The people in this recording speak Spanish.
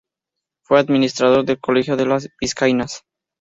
Fue administrador del Colegio de las Vizcaínas.